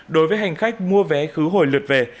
đối với hành khách mua vé khứ hồi lượt về